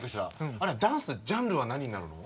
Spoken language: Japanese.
あれダンスのジャンルは何になるの？